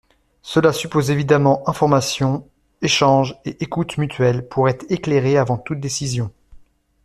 Cela suppose évidemment information, échange et écoute mutuelle pour être éclairé avant toute décision.